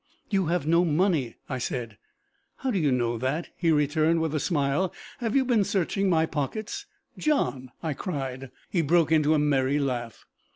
"You have no money!" I said. "How do you know that?" he returned with a smile. "Have you been searching my pockets?" "John!" I cried. He broke into a merry laugh.